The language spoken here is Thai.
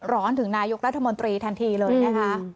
ร้อนถึงนายุครัฐมนตรีแทนทีเลยนะครับ